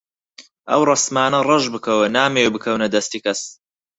ئەو ڕەسمانە ڕەش بکەوە، نامەوێ بکەونە دەستی کەس.